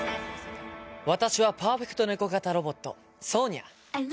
私はパーフェクトネコ型ロボットソーニャ！